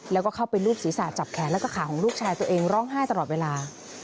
แล้วก็เข้าไปรูปศีรษะจับแขนแล้วก็ขาของลูกชายตัวเองร้องไห้ตลอดเวลา